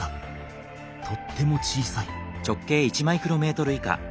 とっても小さい。